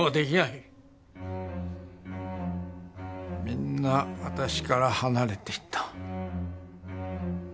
みんな私から離れていった。